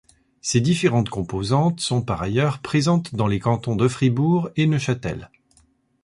Ses différentes composantes sont par ailleurs présentes dans les cantons de Fribourg et Neuchâtel.